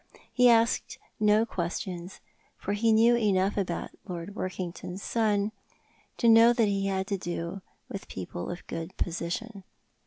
He asked no qncs tions, for he knew enough about Lord Workington's son to know that he had to do with people of gool position.